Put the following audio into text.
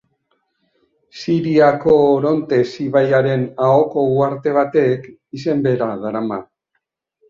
Siriako Orontes ibaiaren ahoko uharte batek, izen bera darama.